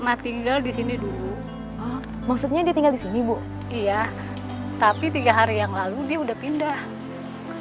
kalau dari tadi nungguin kamu